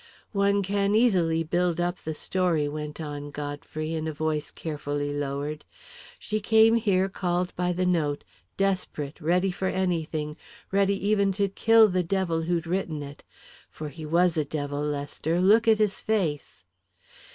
"One can easily build up the story," went on Godfrey, in a voice carefully lowered. "She came here called by the note, desperate, ready for anything ready even to kill the devil who'd written it. For he was a devil, Lester look at his face!"